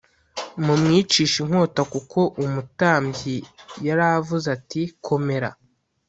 mumwicishe inkota kuko umutambyi yari avuze ati komera